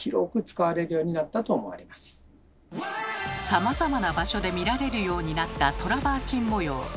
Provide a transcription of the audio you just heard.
さまざまな場所で見られるようになったトラバーチン模様。